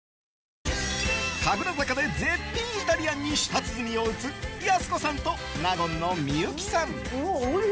神楽坂で絶品イタリアンに舌つづみを打つやす子さんと納言の幸さん。